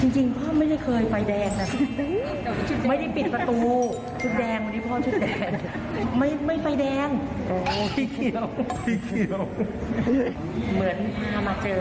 จริงพ่อไม่ได้เคยไฟแดงนะ